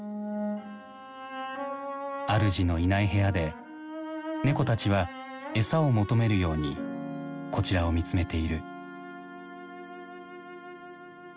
主のいない部屋で猫たちは餌を求めるようにこちらを見つめている。